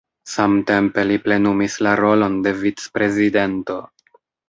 Samtempe li plenumis la rolon de vicprezidento.